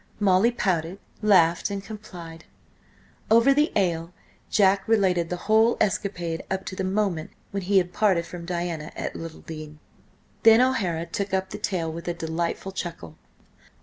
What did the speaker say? Molly pouted, laughed and complied. Over the ale Jack related the whole escapade up to the moment when he had parted from Diana at Littledean. Then O'Hara took up the tale with a delightful chuckle.